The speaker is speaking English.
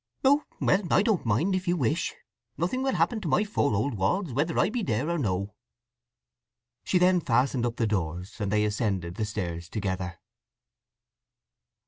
"Oh well—I don't mind, if you wish. Nothing will happen to my four old walls, whether I be there or no." She then fastened up the doors, and they ascended the stairs together.